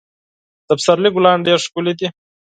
د پسرلي ګلان ډېر ښکلي دي.